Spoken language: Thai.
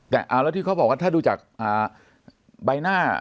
แต่เอาแล้วที่เขาบอกว่าถ้าดูจากใบหน้า